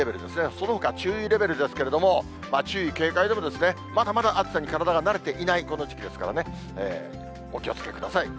そのほか注意レベルですけれども、注意、警戒でも、まだまだ暑さに体が慣れていないこの時期ですからね、お気をつけください。